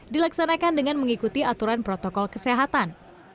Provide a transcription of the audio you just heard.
dilaksanakan dengan mengikuti aturan protokol kesehatan